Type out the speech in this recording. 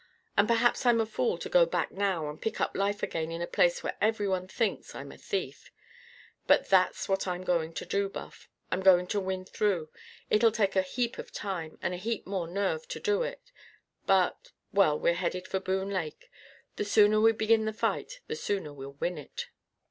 And perhaps I'm a fool to go back now and pick up life again in a place where everyone thinks I'm a thief. But that's what I'm going to do, Buff. I'm going to win through. It'll take a heap of time and a heap more nerve to do it. But well, we're headed for Boone Lake. The sooner we begin the fight the sooner we'll win it."